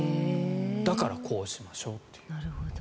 だからこうしましょうという。